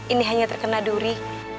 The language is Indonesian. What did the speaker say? ini hanya terkena duri